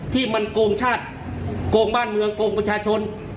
ที่มันโกงชาติโกงบ้านเมืองโกงประชาชน